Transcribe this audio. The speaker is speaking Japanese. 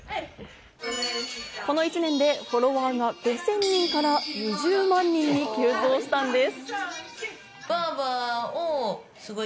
この１年でフォロワーが５０００人から２０万人に急増したんです。